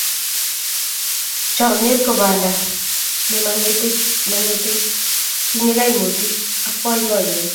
Chomnyet ko banda ne mang'etei, tinyei kaimutiik ak boiboiyet.